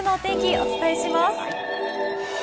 お伝えします。